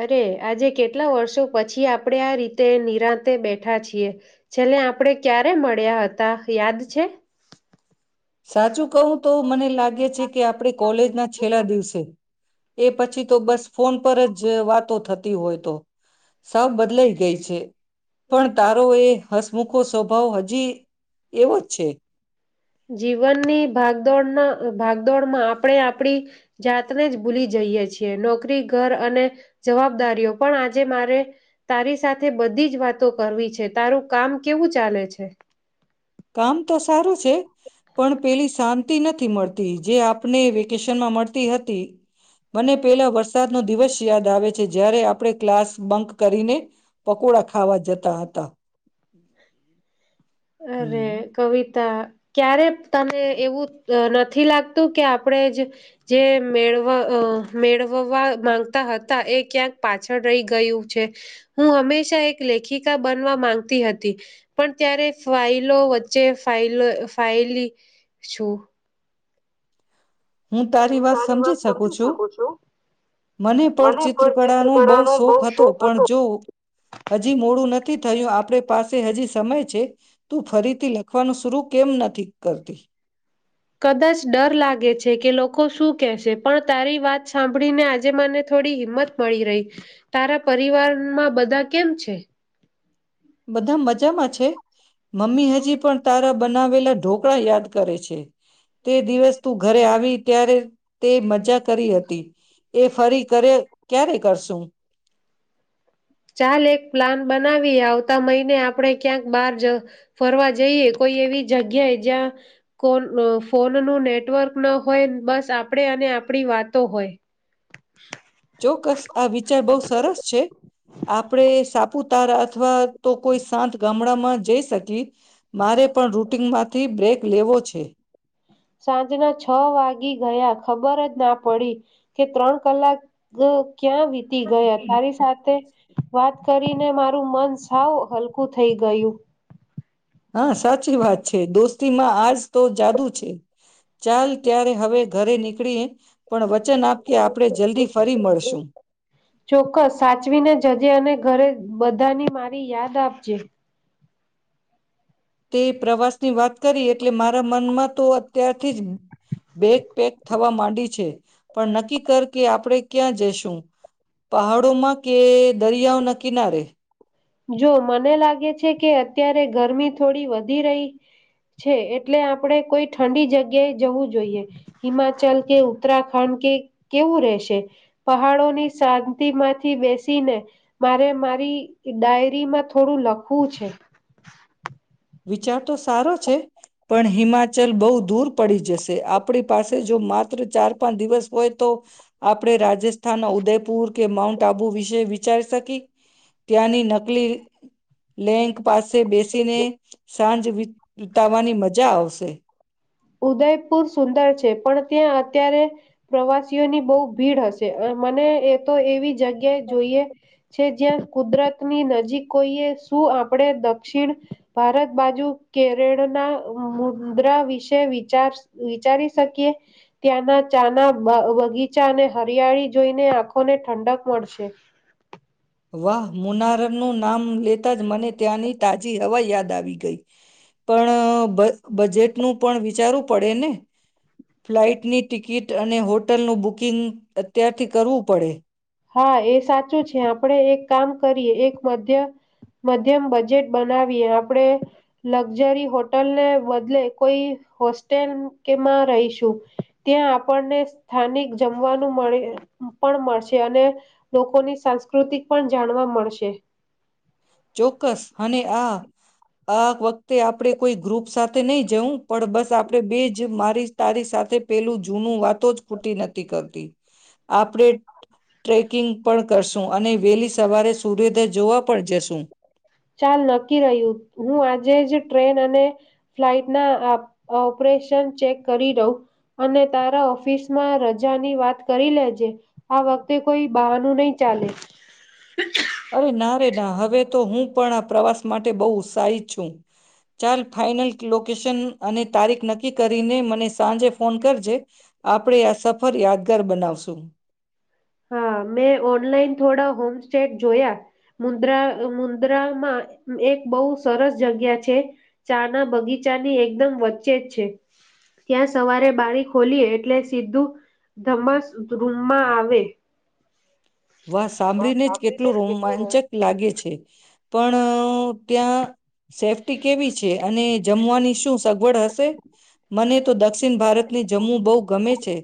અરે આજે કેટલા વર્ષો પછી આપણેે આ રીતે નિરાંતે બેઠા છીએ છેલ્લે આપણેે ક્યારે મળ્યા હતા યાદ છે. સાચું કહું તો મને લાગે છે કે આપણે કોલેજના છેલ્લા દિવસે, એ પછી તો બસ ફોન પર જ વાતો થતી. હોય તો. સાવ બદલાઈ ગઈ છે પણ તારો એ હસમુખો સ્વભાવ હજી એવો જ છે. જીવનની ભાગદોડના ભાગદોડમાં આપણે આપણી જાતને જ ભૂલી જઈએ છીએ. નોકરી ઘર અને જવાબદારીઓ પણ આજે મારે તારી સાથે બધી જ વાતો કરવી છે તારું કામ કેવું ચાલે છે. કામ તો સારું. પણ પેલી શ. નથી મળતી જે આપને વેકેશનમાં મળતી હતી. મને પેલો વરસાદ. નો દિવસ યાદ આવે છે જ્યારે આપણે ક્લાસ બંક કરીને પકોડા ખાવા જતા હતા. અરે હમ કવિતા. ત અ ક્યારે તને એવું નથી લાગતું કે આપણે જ જે મેળવ મેળવવા માંગતા હતા એ ક્યાંક પાછળ રહી ગયું છે હું હંમેશા એક લેખિકા બનવા માંગતી હતી. પણ ત્યારે ફાઈલો વચ્ચે ફઇલ ફાઇલી છું. હું તારી વાત સમજી શકું છું મને પણ ચિત્રકળાનો બહ શોખ હતો પણ જો હજી મોડું નથી. થયું આપે પાસે હજી સમય છે. તું ફરીથી લખવાનું શરુ કેમ નથી કરતી. કદાચ ડર લાગે છે કે લોકો શું કેહેશે પણ તારી વાત સાંભળીને આજે મને થોડી હિંમત મળી રહી. તારા પરિવારમાં બધા કેમ છે? બધા મજામાં છે. મમ્મી હજી પણ તારા બનાવેલા ઢોકળા યાદ કરે છે. તે દિવસ તું ઘરે આવી. ત્યારે તે મજા કરી હતી એ ફરી કરે ક્યારે કરશું. ચાલ એક પ્લાન બનાવી આવતા મહિને આપણે ક્યાંક બહાર જ ફરવા જઈએ કોઈ એવી જગ્યાએ જ્યાં કો ફોનનું નેટવર્ક ન હોય બસ આપણે અને આપણી વાતો હોય. ચોક્કસ આ વિચાર બહુ સરસ છે. આપણે સાપુતારા અથવા તો કોઈ શાંત ગામડામાં જઈ શકી મારે પણ રૂટિનમાંથી બ્રેક લેવો છે. સાંજના છ વાગી ગયા ખબર જ ના પડી કે ત્રણ કલાક ક્યાં વીતી ગયા તારી સાથે વાત કરીને મારું મન સાવ હલકું થઈ ગયું. હા સાચી વાત છે દોસ્ત. તિ આજ તો જાદુ છે ચાલ ત્યારે હવે ઘરે નીકળી પણ વચન આપ કે આપણે જલ્દી ફરી મળશું ચોક્કસ સાચવીને જજે અને ઘરે બધાની મારી યાદ આપજે. તે પ્રવાસ ની વાત કરી એટલે મારા મનમાં તો અત્યારથી જ બે પેક થવા માંડી છે પણ નક્કી કર કે આપડે ક્યાં જશું, પહાડોમાં કે દરિયાઓના કિનારે? જો મને લાગે છે કે અત્યારે ગરમી થોડી વધી રહી છે. એટલે આપણે કોઈ ઠંડી જગ્યાએ જવું જોઈએ. હિમાચલ કે ઉત્તરાખંડ કે કેવું રહેશે પહાડોની શાંતિ માંથી બેસીને મારે મારી એ ડાયરીમાં થોડું લખવું છે. વિચાર તો સારો છે પણ હિમાચલ બહુ દૂર પડી જશે આપડી પાસે જો માત્ર ચાર પાંચ દિવસ હોય તો આપડે રાજસ્થાન ના ઉદયપુર કે માઉન્ટ આબુ વિશે વિચારી શકી ત્યાંની નકલી લેન્ક પાસે બેસીને સાંજ વિતાવાની મજા આવશે. ઉદયપુર સુંદર છે. પણ ત્યાં અત્યારે પ્રવાસીઓની બૌ ભીડ હશે અ મને એ તો એવી જગ્ યા જોઈએ છે જ્યાં કુદરતની નજીક કોઈએ શું આપણે દક્ષિણ ભારત બાજુ કેરળના ઉમ્મ મુદ્રા વિશ તેવિચાર વિચારી શકીએ ત્યાંના ચાના બ બગીચા અને હરિયાળી જોઈને આંખોને ઠંડક મળશે. વાહ મુનારરનું નામ લેતા જ મને ત્યાંની તાજી હવા યાદ આવી ગઈ પણ બ બજેટનું પણ વિચારવું પડે ને ફ્લાઇટની ટિકિટ અને હોટલનું બુકિંગ અત્યારથી કરવું પડે. હા એ સાચું છે, આપણે એક કામ કરીએ એક મધ્ય મધ્યમ બજેટ બનાવીએ આપણેે લક્ઝરી હોટલને બદલે કોઈ હોસ્ટેલ કેમાં રહીશું ત્યાં આપણને સ્થાનિક જમવાનું મળે પણ મળશે. અને લોકોની સાંસ્કૃતિક પણ જાણવા મળશે. ચોક્કસ અને આ આ વખતે આપણે કોઈ ગ્રુપ સાથે નહી જવું પણ બસ આપણે બે જ મારી તારી સાથે પેલું જૂનું વાતો જ ખૂટી નથી કરતી આપણે ટ્રેકિંગ પણ કરશું અને વહેલી સવારે સૂર્યોદય જોવા પણ જશું. ચાલ નક્કી રહ્યું હું આજે જ ટ્રેન અને ફ્લાઈટના આ ઓપરેશન ચેક કરી રઉ અને તારા ઓફિસમાં રજાની વાત કરી લેજે આ વખતે કોઈ બહાનું નહી ચાલે. અરે ના રે ના હવે તો હું પણ આ પ્રવાસ માટે બૌ ઉત્સાહી છું. ચાલ ફાઈનલ લોકેશન અને તારીખ નક્કી કરીને મને સાંજે ફોન કરજે, આપણે આ સફર યાદગાર બનાવશું. હા મેં ઓનલાઈન થોડા હોમ સ્ટેટ જોયા મુન્દ્રા મુન્દ્રામાં એક બહુ સરસ જગ્યા છે, ચાના બગીચાની એકદમ વચ્ચે જ છે, ત્યાં સવારે બારી ખોલીએ એટલે સીધું ધમ્સ રૂમમાં આવે. વા વાહ સાંભળીને જ રાત્રિ કેટલું કેટલી રોમાંચક લાગે છે, પણ અ ત્યાં સેફ્ટી કેવી છે, અને જમવાની શું સગવડ હશે? મને તો દક્ષિણ ભારતની જમવું બહુ ગમે છે,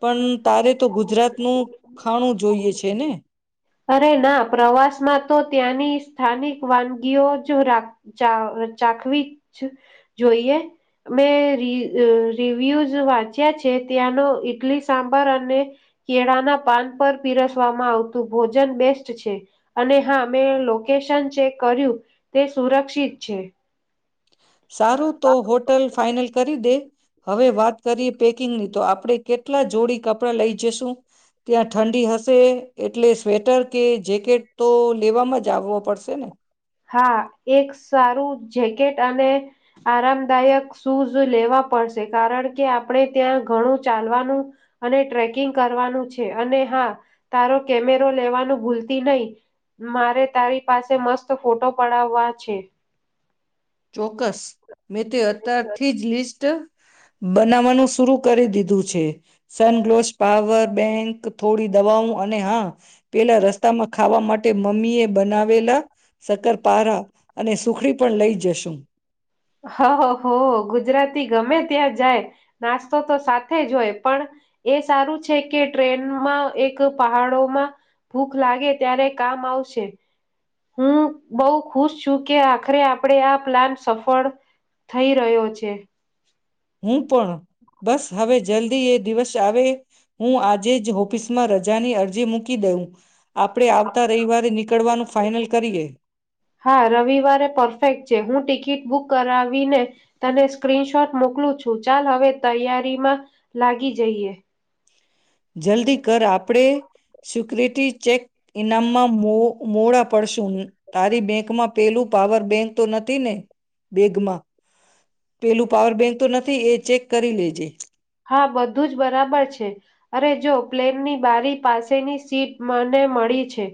પણ તારે તો ગુજરાતનું ખાણું જોઈએ છે ને. અરે ના પ્રવાસ માં તો ત્યાંની સ્થાનિક વાનગીઓ જ રા ચા ચાખવી જ જોઈએ, મેં રી-અ-રિવ્યુઝ વાંચ્યા છે ત્યાંનો ઈટલી સાંભર અને કેળાના પાન પર પીરસવામાં આવતું ભોજન બેસ્ટ છે, અને હા મેં લોકેશન ચેક કર્યું તે સુરક્ષિત છે. સારું તો હોટલ ફાઈનલ કરી દે હવે વાત કરીએ પેકિંગની તો આપ પડે કેટલા જોડી કપડા લઈ જઈશું? ત્યાં ઠંડી હશે એટલે સ્વેટર કે જેકેટ તો લેવામાં જ આવવો પડશે ને. હા એક સારું જેકેટ અને આરામદાયક શૂઝ લેવા પડશે કારણ કે આપણે ત્યાં ઘણું ચાલવાનું અને ટ્રેકિંગ કરવાનું છે, અને હા તારો કેમેરો લેવાનું ભૂલતી નહી મારે તારી પાસે મસ્ત તો ફોટો પડાવવા છે. ચોક્કસ મેં તે અતારથી જ લિસ્ટ બનાવવાનું શુંરુ કરી દીધ દૂ છે. સનગ્લોશ પાવર. બેંક થોડી દવાઓ અને હા પેલા રસ્તા માં ખાવા માટે મમ્મી એ બનાવેલા. સક્કર પારા અને સુખડી પણ લઈ જશ [inaudible] હાહા હો ગુજરાતી ગમે ત્યાં જાય નાસ્તો તો સાથે જ હોય, પણ એ સારું છે કે ટ્રેનમાં એક પહાડોમાં ભૂખ લાગે ત્યારે કામ આવશે. હું બહુ ખુશ છું કે આખરે આપણેે આ પ્લાન સફળ થઈ રહ્યો છે. હું પણ બસ હવે જલ્દી એ દિવસ ત્યારે. હું આજે જ ઓફીસ માં રજાની અરજી મૂકી દવ. આપણે આવતા રવિવારે નીકળવાનું ફાઈનલ કરીએ. હા રવિવારે પરફેક્ટ છે હું ટિકિટ બુક કરાવીને તને સ્ક્રીનશોટ મોકલું છું, ચાલ હવે તૈયારીમાં લાગી જઈએ. જલ્દી કર આપડે સિકરિટી ચેક એનામાં મો મોડા પડશુ ઉહમ. તારી બેન્કમાં પેલું પાવર બેન્ક તો નથી ને? બેગમાં. પેલું પાવર બેંક તો નથ થી એ ચેક કરી લેજે. હા, બધું જ બરાબર છે. અરે જો પ્લેનની બારી પાસેની સીટ મને મળી છે.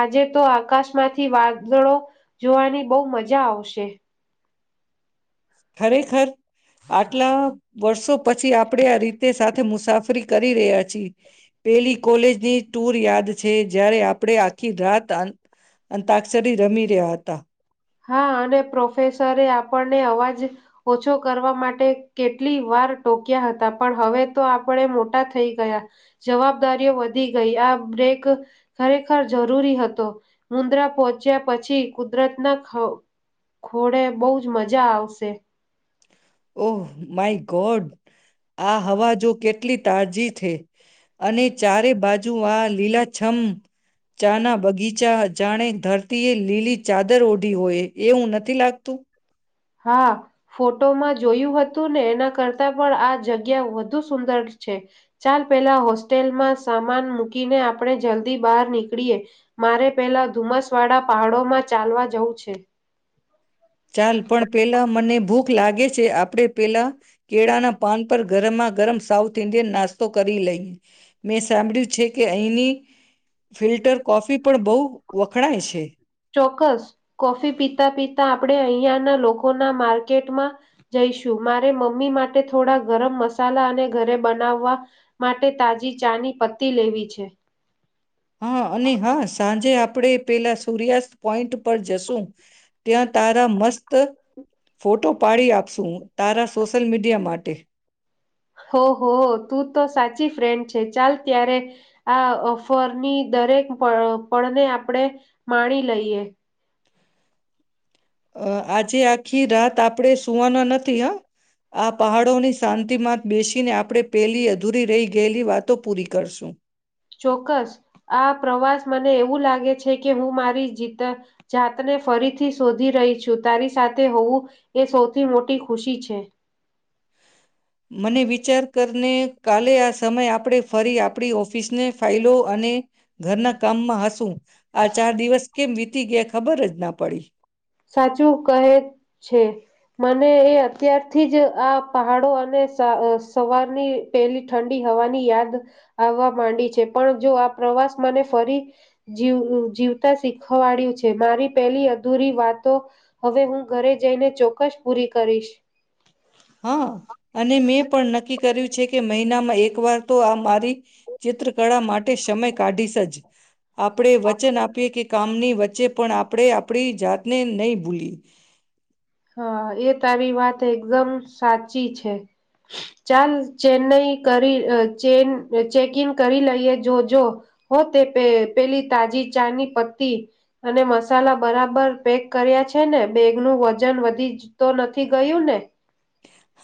આજે તો આકાશમાંથી વાદળો જોવાની બહુ મજા આવશે. ખરેખર આટલા વર્ષો પછી આપણડે આ રીતે સાથે મુસાફરી કરી રહ્યા છી પેલી કોલેજની ટૂર યાદ છે. જ્યારે આપડે આખી રાત આંત અંતાક્ષરી રમી રહ્યા હતા. હા, અને પ્રોફેસરે આપણને અવાજ ઓછો કરવા માટે કેટલી વાર ટોક્યા હતા. પણ હવે તો આપડે મોટા થઈ ગયા જવાબદારીઓ વધી ગઈ આ બ્રેક ખરેખર જરૂરી હતો. મુન્દ્રા પહોચ્યા પછી કુદરતના ખો ખોડે બહુ જ મજા આવશે. ઓહ! My God. આ હવા જો કેટલી તાજી થે અને ચારે બાજ જુઓ આ લીલા છમ્મ ચા ના બગીચા હજ જાને ધરતીએ લીલી ચાદર ઓઢી હોય, એવું નથી લાગતું? હા, ફોટોમાં જોયું હતું ને એના કરતાં પણ આ જગ્યા વધુ સુંદર છે. ચાલ પેલા હોસ્ટેલમાં સામાન મૂકીને આપણે જલ્દી બહાર નીકળીએ. મારે પેલા ધુમ્મસવાળા પહાડોમાં ચાલવા જવું છે. ચાલ પણ પેલા મને ભૂખ લાગે છે. આપડે પેલાં કેળાના પાન પર ગરમા ગરમ સાઉથ ઇન્ડિયન નાસ્તો કરી લઈ. મેં સાંભળ્યું છે કે અહીંની ફિલ્ટર કોફી પણ બહુ વખણાય છે. ચોક્કસ. કોફી પીતા પીતા આપડે અહીંયાના લોકોના માર્કેટમાં જઈશું. મારે મમ્મી માટે થોડા ગરમ મસાલા અને ઘરે બનાવવા માટે તાજી ચાની પત્તી લેવી છે. હ, અને હા, સાજ જે આપડે પેલા સૂર્યાસ્ત પોઈન્ટ પર જશું. ત્યાં તારા મસ્ત ફોટો પાડી આપશું. તારા સોશલ મીડિયા માટે હોહો, તું તો સાચી ફ્રેન્ડ છે. ચાલ ત્યારે આ ઓફરની દરેક પળ પળને આપડે માણી લઈએ. અ આજે આખી રાત આપડે સુવાના નથી હ. આ પહાડોની શાંતિમાં બેસીને આપડે પેલી અધૂરી રહી ગેયલી વાતો પૂરી કરશું. ચોક્કસ. આ પ્રવાસ મને એવું લાગે છે કે હું મારી જીતા જાતને ફરીથી શોધી રહી છું. તારી સાથે હોવું એ સૌથી મોટી ખુશી છે. મને વિચાર કર ને કાલે આ સમય આપડે ફરી આપડી ઓફિસને ફાઈલો અને ઘરના કામમાં હશું. આ ચાર દિવસ કેમ વિત તી ગ્યા ખબર જ ના પડી. સાચું કહે છે. મને એ અત્યારથી જ આ પહાડો અને સા અ સવારની પેહલી ઠંડી હવાની યાદ આવવા માંડી છે. પણ જો આ પ્રવાસ મને ફરી જીવ જીવતા શીખવાડ્યું છે. મારી પેહલી અધૂરી વાત તો હવે હું ઘરે જઈને ચોક્કસ પૂરી કરીશ. હા, અને મેં પણ નક્કી કર્યું છે કે મહિનામાં એક વાર તો આ મારી, ચિત્રકળા માટે સમય કાઢીશ જ. આપણે વચન આપીએ કે કામની વચ ચે પણ આપણે આપણી જાતને નહી ભૂલી. હા એ તારી વાત એકદમ સાચી છે, ચાલ ચેન્નઈ કરી ચેન ચેકિન કરી લઈએ, જોજો હો તે પેલી તાજી ચા ની પત્તી અને મસાલા બરાબર પેક કર્યા છે, ને બેગનું વજન વધી તો નથી ગયું ને.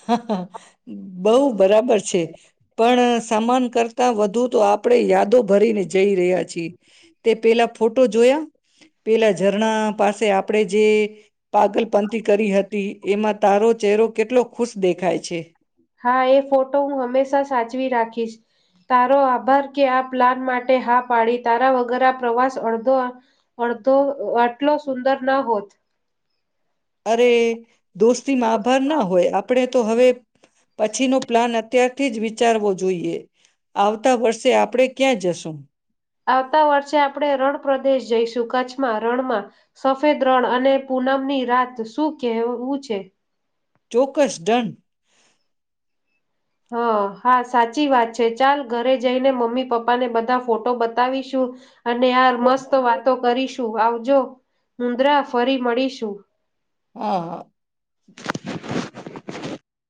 હ. [unintelligible] બઉ બરાબર છે. પણ સામાન કર ત્યા વધુ તો આપડણે યાદો ભરી ને જઈ રહ્યા છે. પેલા ફોટો જોયા, પેલા ઝરણા પાસે આપડે જે, પાગલપંથી કરી હતી એમાં તારો ચહેરો કેટલો ખુશ દેખાય છે. હા એ ફોટો હું હંમેશા સાચવી રાખી તારો આભાર કે આ પ્લાન માટે હા પાડી તારા વગર આ પ્રવાસ અડધો, અડધો આટલો સુંદર ના હોત. અરે દોસ્તી માં આભાર ના હોય આપણે તો હવે પછી નો પ્લાન અત્યારથી જ વિચારવો જોઈએ, આવતા વર્ષે આપણેે ક્યાં જશું? આવતા વર્ષે આપણે રણ પ્રદેશ જઈશું કચ્છમાં રણમાં, સફેદ રણ અને પૂનમની રાત શું કહેવું છે. ચોક્કસ ડન. હ હા સાચી વાત છે ચાલ ઘરે જઈને મમ્મી પપ્પાને બધા ફોટો બતાવીશું. અને યાર મસ્ત વાતો કરીશ. તું આવજો મુદ્રા ફરી મળીશું. હા હા.